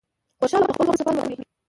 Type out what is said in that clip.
خوشحاله او په خپل وخت سفر وکړی.